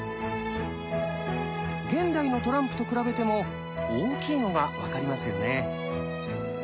現代のトランプと比べても大きいのが分かりますよね。